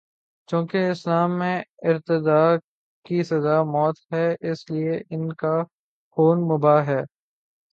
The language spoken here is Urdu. چونکہ اسلام میں ارتداد کی سزا موت ہے، اس لیے ان کا خون مباح ہے۔